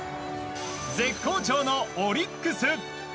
絶好調のオリックス！